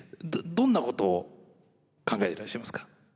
どんなことを考えていらっしゃいますか？